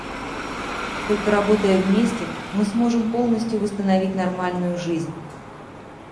Только работая вместе, мы сможем полностью восстановить нормальную жизнь.